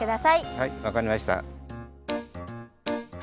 はいわかりました。